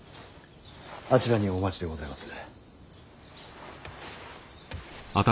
あちらにお待ちでございます。